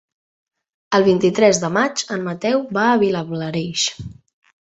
El vint-i-tres de maig en Mateu va a Vilablareix.